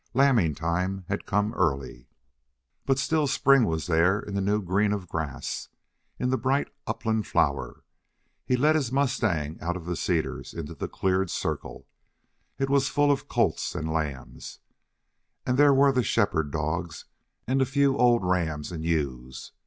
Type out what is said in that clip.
Lambing time had come early, but still spring was there in the new green of grass, in the bright upland flower. He led his mustang out of the cedars into the cleared circle. It was full of colts and lambs, and there were the shepherd dogs and a few old rams and ewes.